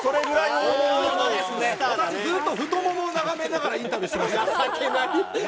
私、ずっと太ももを眺めながらインタビューしてましたから。